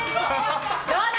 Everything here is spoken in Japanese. どうだ？